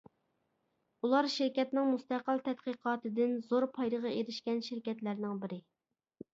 ئۇلار شىركەتنىڭ مۇستەقىل تەتقىقاتىدىن زور پايدىغا ئېرىشكەن شىركەتلەرنىڭ بىرى.